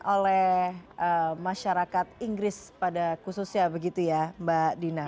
oleh masyarakat inggris pada khususnya begitu ya mbak dina